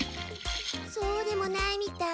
そうでもないみたい。